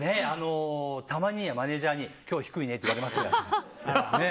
たまにマネジャーに今日、低いねって言われますけどね。